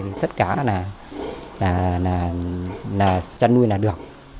thì tất cả là chăn nuôi là được